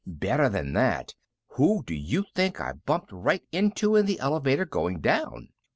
"Better than that! Who do you think I bumped right into in the elevator going down?"